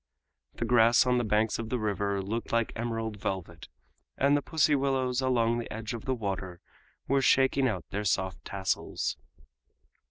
The grass on the banks of the river looked like emerald velvet, and the pussy willows along the edge of the water were shaking out their soft tassels.